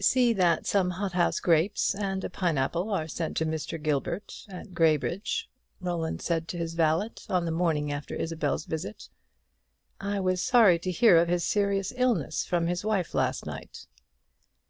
"See that some hothouse grapes and a pine are sent to Mr. Gilbert at Graybridge," Roland said to his valet on the morning after Isabel's visit. "I was sorry to hear of his serious illness from his wife last night."